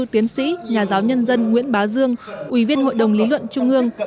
tiến sĩ nhà giáo nhân dân nguyễn bá dương ủy viên hội đồng lý luận trung ương